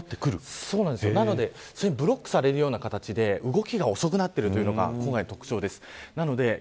なので、それにブロックされるような形で動きが遅くなるというのがここまでの特徴です。